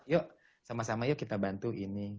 yuk sama sama yuk kita bantu ini